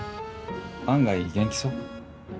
案外元気そう？